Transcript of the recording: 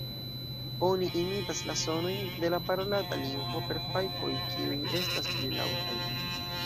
Oni imitas la sonojn de la parolata lingvo per fajfoj, kiuj estas pli laŭtaj.